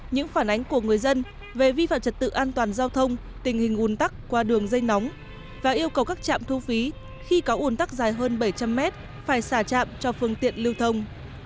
những phản ánh của người dân về vi phạm trật tự an toàn giao thông tình hình ủn tắc qua đường dây nóng và yêu cầu các trạm thu phí khi có ủn tắc dài hơn bảy trăm linh mét phải xả trạm cho phương tiện lưu thông